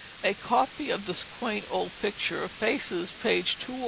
A copy of this quaint old picture faces page 204.